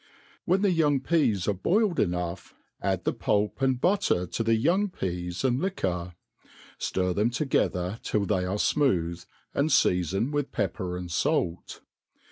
When the young ^eas are boiled* enough, add the pulp and butter to the young peas and liquor ; ftir them together till they are fmooth, ' a(id f^afqn with pepper and fait.